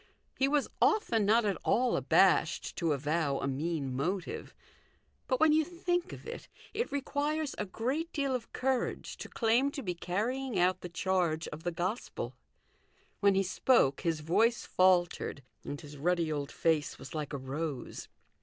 He was often not at all abashed to avow a mean motive ; but when you think of it, it requires a great deal of courage to claim to be carrying out the charge of the Gospel. When he spoke his voice faltered, and his ruddy old face was like a rose.